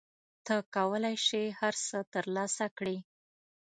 ته کولای شې هر څه ترلاسه کړې.